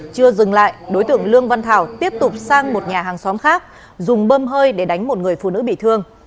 chưa dừng lại đối tượng lương văn thảo tiếp tục sang một nhà hàng xóm khác dùng bơm hơi để đánh một người phụ nữ bị thương